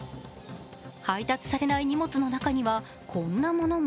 配達されない荷物の中にはこんなものも。